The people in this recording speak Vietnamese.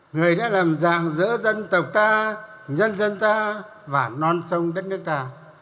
người đã làm dạng giữa dân tộc ta nhân dân ta và non sông đất nước ta